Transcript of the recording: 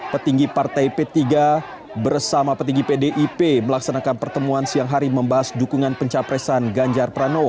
petinggi partai p tiga bersama petinggi pdip melaksanakan pertemuan siang hari membahas dukungan pencapresan ganjar pranowo